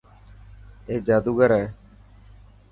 اي جادوگر هي.